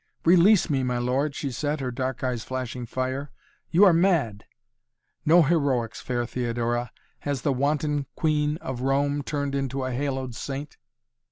"Release me, my lord!" she said, her dark eyes flashing fire. "You are mad!" "No heroics fair Theodora Has the Wanton Queen of Rome turned into a haloed saint?"